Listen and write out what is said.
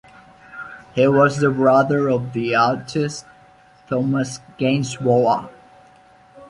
He was the brother of the artist Thomas Gainsborough.